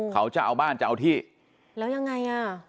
เขาจะเอาบ้านจะเอาที่แล้วยังไงอ่ะ